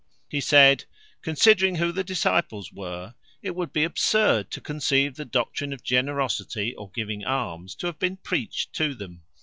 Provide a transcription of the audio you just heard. He said, "Considering who the disciples were, it would be absurd to conceive the doctrine of generosity, or giving alms, to have been preached to them.